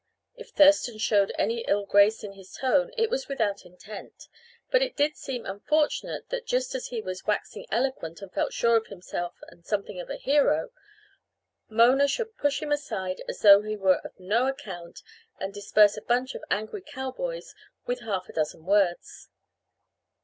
If Thurston showed any ill grace in his tone it was without intent. But it did seem unfortunate that just as he was waxing eloquent and felt sure of himself and something of a hero, Mona should push him aside as though he were of no account and disperse a bunch of angry cowboys with half a dozen words.